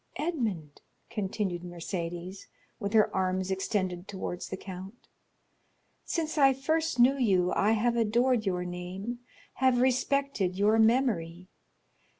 "Edmond," continued Mercédès, with her arms extended towards the count, "since I first knew you, I have adored your name, have respected your memory.